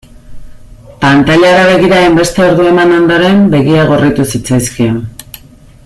Pantailara begira hainbeste ordu eman ondoren begiak gorritu zitzaizkion.